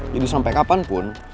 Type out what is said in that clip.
jadi sampe kapanpun